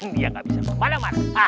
dia nggak bisa kemana mana